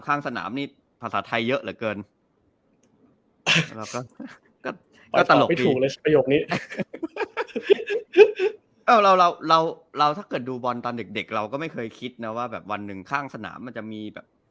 ข้างสนามนี่ภาษาไทยเยอะเหลือเกินก็ตลกดีเราถ้าเกิดดูบอลตอนเด็กเราก็ไม่เคยคิดนะว่าแบบวันหนึ่งข้างสนามมันจะมีแบบ